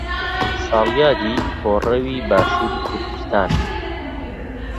ساڵیادی کۆڕەوی باشووری کوردستان